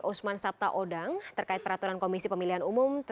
usman sabta odang terkait peraturan komisi pemilihan umum